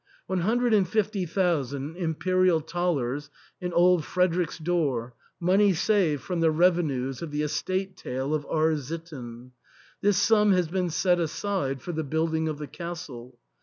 One hundred and fifty thousand Imperial thalers in old Fredericks d^or^ money saved from the reve nues of the estate tail of R — sitten ; this sum has been set aside for the building of the castle.